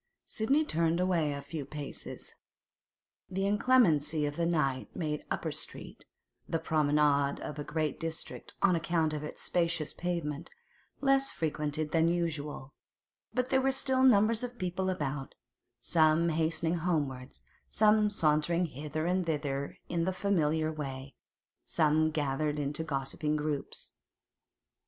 Sidney turned away a few paces. The inclemency of the night made Upper Street—the promenade of a great district on account of its spacious pavement—less frequented than usual; but there were still numbers of people about, some hastening homewards, some sauntering hither and thither in the familiar way, some gathered into gossiping groups.